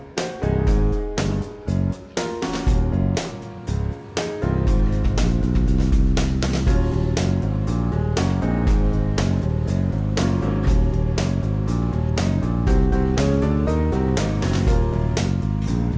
dari karya karya yang terlalu banyak